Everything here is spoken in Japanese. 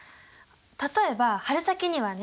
例えば春先にはね。